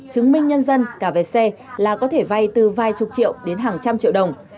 chứng minh nhân dân cả về xe là có thể vay từ vài chục triệu đến hàng trăm triệu đồng